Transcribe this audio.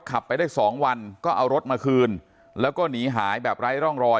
ขับไปได้สองวันก็เอารถมาคืนแล้วก็หนีหายแบบไร้ร่องรอย